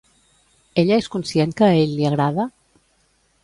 Ella és conscient que a ell li agrada?